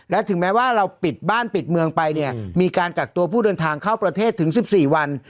และถึงแม้ว่าเราปิดบ้านปิดเมืองไปเนี่ยมีการกักตัวผู้เดินทางเข้าประเทศถึง๑๔วัน